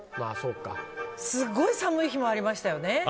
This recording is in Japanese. すごい寒い日もありましたよね。